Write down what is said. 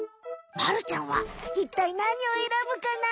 まるちゃんはいったいなにをえらぶかな？